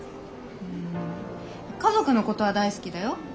うん家族のことは大好きだよ。